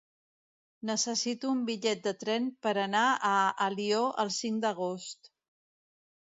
Necessito un bitllet de tren per anar a Alió el cinc d'agost.